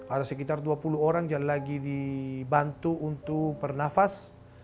ada sekitar dua puluh orang yang lagi dibantu untuk bernafas